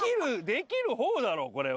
できる方だろこれは。